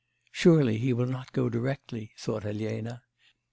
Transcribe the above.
'Surely he will not go directly,' thought Elena.